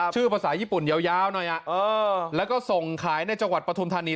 ภาษาญี่ปุ่นยาวหน่อยแล้วก็ส่งขายในจังหวัดปฐุมธานี